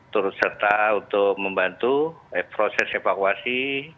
turut serta untuk membantu proses evakuasi